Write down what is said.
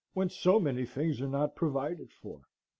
when so many things are not provided for.